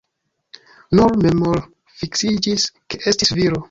Nur memorfiksiĝis ke estis viro.